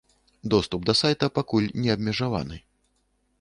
Доступ да сайта пакуль не абмежаваны.